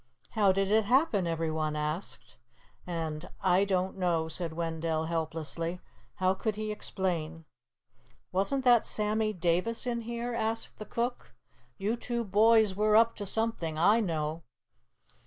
"How did it happen?" everyone asked, and "I don't know," said Wendell helplessly. How could he explain? "Wasn't that Sammy Davis in here?" asked the cook. "You two boys were up to something, I know."